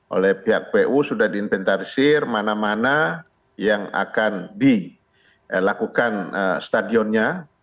oleh pihak pu sudah diinventarisir mana mana yang akan dilakukan stadionnya